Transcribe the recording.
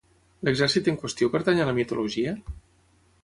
L'exèrcit en qüestió pertany a la mitologia?